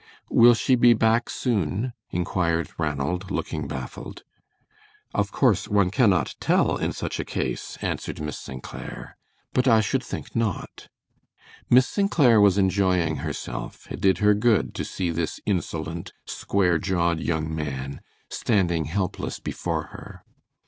"Will she be back soon?" inquired Ranald, looking baffled. "Of course one cannot tell in such a case," answered Miss St. Clair, "but I should think not." Miss St. Clair was enjoying herself. It did her good to see this insolent, square jawed young man standing helpless before her.